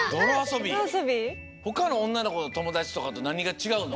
ほかのおんなのこのともだちとかとなにがちがうの？